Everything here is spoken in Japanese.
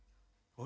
・あれ？